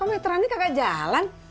kok meterannya kagak jalan